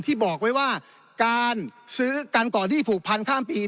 ที่บอกไว้ว่าการก่อนที่ผูกพันข้ามปี